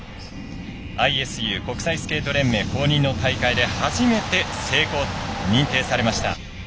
ＩＳＵ＝国際スケート連盟公認の大会で初めて成功と認定されました。